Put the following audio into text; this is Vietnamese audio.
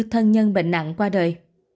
thân nhân bệnh nặng qua đời